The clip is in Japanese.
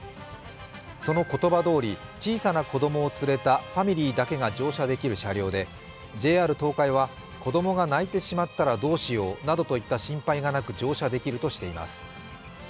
その言葉どおり、小さな子供を連れたファミリーだけが乗車できる車両で、ＪＲ東海は子供が泣いてしまったらどうしようなどといった心配がなく乗車できるとしています。